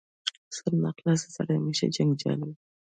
سرناخلاصه سړی همېشه جنجالي وي.